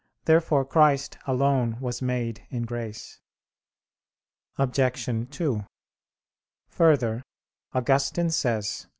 Therefore Christ alone was made in grace. Obj. 2: Further, Augustine says (QQ.